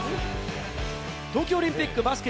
東京オリンピックバスケ